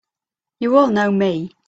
You all know me!